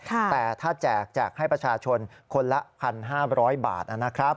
แต่ถ้าแจกแจกให้ประชาชนคนละ๑๕๐๐บาทนะครับ